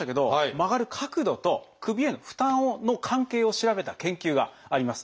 曲がる角度と首への負担の関係を調べた研究があります。